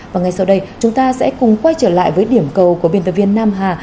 và ngay sau đây chúng ta sẽ cùng quay trở lại với điểm cầu của biên tập viên nam hà